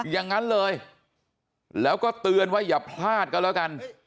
อย่างนั้นเลยแล้วก็เตือนว่าอย่าพลาดก็แล้วกัน